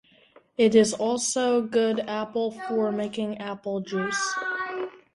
It is also a good apple for making apple juice.